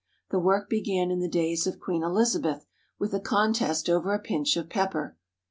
The work began in the days of Queen Elizabeth with a contest over a pinch of pepper.